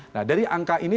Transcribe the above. nah dari angka ini